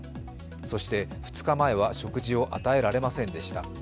そして２日前は食事を与えられませんでした。